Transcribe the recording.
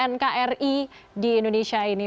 nkri di indonesia ini